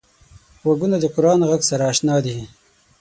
غوږونه د قران غږ سره اشنا دي